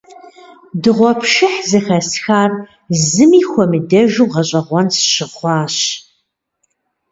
Дыгъуэпшыхь зэхэсхар зыми хуэмыдэжу гъэщӀэгъуэн сщыхъуащ.